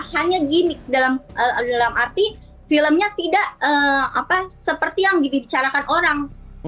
hanya gimmick dalam arti filmnya tidak seperti yang dibicarakan orang